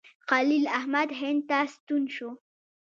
خلیل احمد هند ته ستون شو.